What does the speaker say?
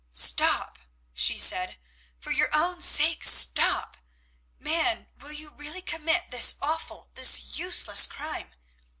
"Stop," she said; "for your own sake stop. Man, will you really commit this awful, this useless crime?